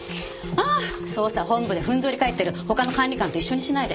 あ捜査本部でふんぞり返ってる他の管理官と一緒にしないで。